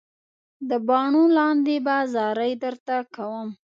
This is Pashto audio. د باڼو لاندې به زارۍ درته کوم.